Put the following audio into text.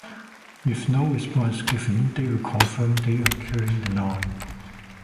If no response is given, they will confirm they are clearing the line.